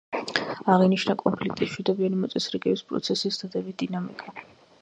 აღინიშნა კონფლიქტის მშვიდობიანი მოწესრიგების პროცესის დადებითი დინამიკა.